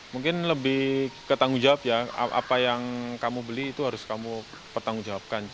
mungkin lebih ketangguh jawab ya apa yang kamu beli itu harus kamu bertanggung jawabkan